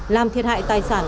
làm thiệt hại tài sản